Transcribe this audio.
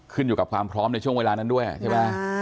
ขึ้นอยู่กับความพร้อมในช่วงเวลานั้นด้วยใช่ไหม